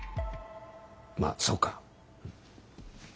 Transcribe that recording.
まあそうか。